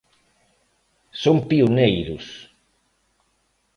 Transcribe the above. Son pioneiros.